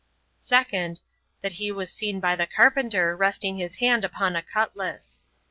Second. That he was seen by the carpenter resting his hand upon a cutlass.